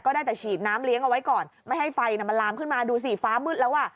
ได้แต่ฉีดน้ำเลี้ยงเอาไว้ก่อนไม่ให้ไฟมันลามขึ้นมาดูสิฟ้ามืดแล้วอ่ะ